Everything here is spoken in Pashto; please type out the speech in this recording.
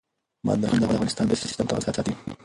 بدخشان د افغانستان د طبعي سیسټم توازن ساتي.